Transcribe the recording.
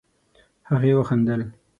هغې وخندل.